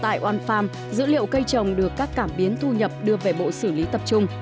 tại one farm dữ liệu cây trồng được các cảm biến thu nhập đưa về bộ xử lý tập trung